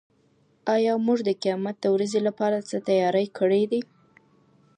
ایا موږ د قیامت د ورځې لپاره څه تیاری کړی دی؟